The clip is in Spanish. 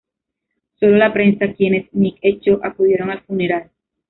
Sólo la prensa, quienes Nick echó, acudieron al funeral.